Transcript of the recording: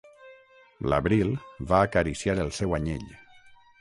L'Abril va acariciar el seu anyell.